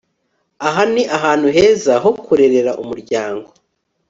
Aha ni ahantu heza ho kurerera umuryango